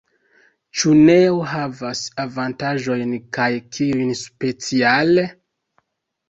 Ĉu Neo havas avantaĝojn kaj kiujn speciale?